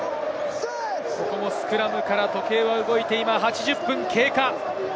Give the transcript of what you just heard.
ここもスクラムから、時計は動いて８０分を経過。